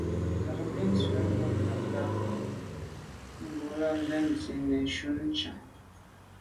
Ndiagbin ywîd ngɔ̂nɑ̀ bɑhɑ kà, mbolə, ntswənsi nə̀ jú chànŋ.